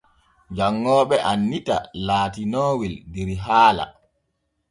Janŋooɓe annita laatinoowel der haala.